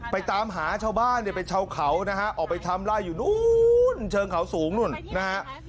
ตามหาชาวบ้านเนี่ยเป็นชาวเขานะฮะออกไปทำไล่อยู่นู้นเชิงเขาสูงนู่นนะฮะ